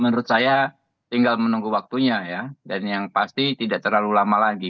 menurut saya tinggal menunggu waktunya ya dan yang pasti tidak terlalu lama lagi